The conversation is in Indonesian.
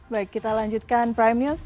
baik kita lanjutkan primus